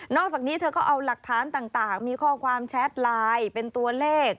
อกจากนี้เธอก็เอาหลักฐานต่างมีข้อความแชทไลน์เป็นตัวเลข